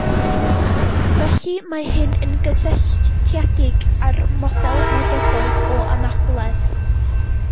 Felly, mae hyn yn gysylltiedig â'r model meddygol o anabledd